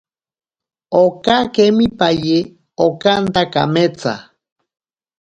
Oka kemipaye okanta kametsa.